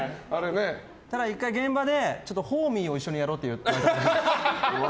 １回現場でホーミーを一緒にやろうって。